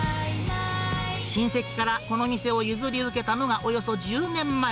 親戚からこの店を譲り受けたのがおよそ１０年前。